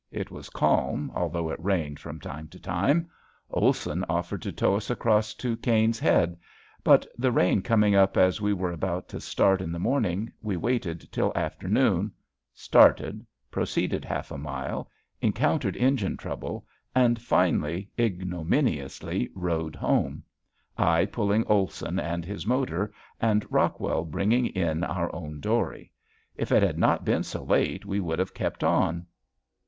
It was calm although it rained from time to time. Olson offered to tow us across to Caine's Head; but, the rain coming up as we were about to start in the morning, we waited till afternoon, started, proceeded half a mile, encountered engine trouble, and finally ignominiously rowed home, I pulling Olson and his motor and Rockwell bringing in our own dory. If it had not been so late we would have kept on.